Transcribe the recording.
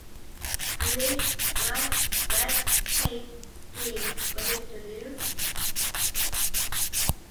A new bright red paint scheme was introduced.